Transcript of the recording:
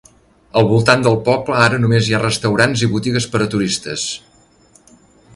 Al voltant del poble ara només hi ha restaurants i botigues per a turistes.